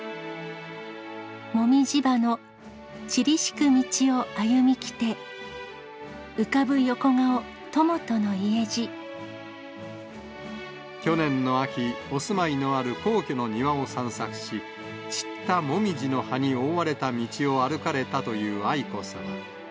もみぢ葉の散り敷く道を歩みきて浮かぶ横顔、去年の秋、お住まいのある皇居の庭を散策し、散った紅葉の葉に覆われた道を歩かれたという愛子さま。